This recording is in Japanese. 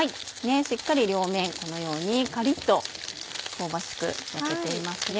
しっかり両面このようにカリっと香ばしく焼けていますね。